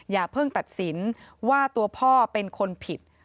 อย่าเพิ่งตัดสินว่าตัวพ่อเป็นคนผิด